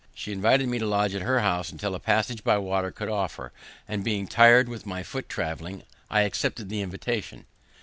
She invited me to lodge at her house till a passage by water should offer; and being tired with my foot traveling, I accepted the invitation.